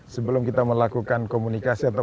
sebelum kita melakukan komunikasi atau